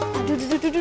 duduk duduk duduk